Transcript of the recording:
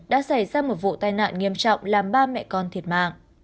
đã xảy ra một vụ tai nạn nghiêm trọng làm ba mẹ con thiệt mạng